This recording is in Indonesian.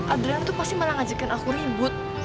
adriana tuh pasti malah ngajakin aku ribut